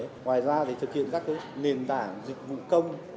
ngoài ra thì thực hiện các nền tảng dịch vụ công